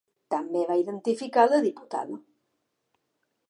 També va identificar la diputada.